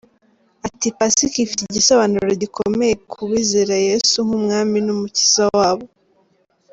Ati “Pasika ifite igisobanuro gikomeye ku bizera Yesu nk’umwami n’umukiza wabo.